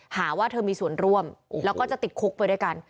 หาว่าเธอมีส่วนร่วมแล้วก็จะติดคุกไปด้วยกัน